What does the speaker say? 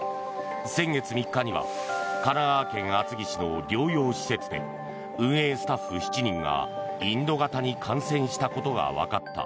先月３日には神奈川県厚木市の療養施設で運営スタッフ７人がインド型に感染したことが分かった。